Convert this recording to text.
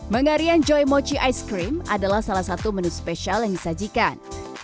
mengarian joy mochi ice cream adalah salah satu menu spesial yang disajikan